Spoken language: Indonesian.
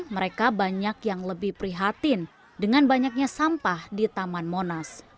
mereka banyak yang lebih prihatin dengan banyaknya sampah di taman monas